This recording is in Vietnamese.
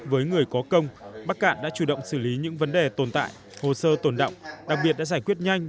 với những vấn đề tồn tại hồ sơ tồn động đặc biệt đã giải quyết nhanh